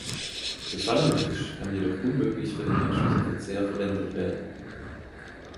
Befallener Fisch kann jedoch unmöglich für den menschlichen Verzehr verwendet werden.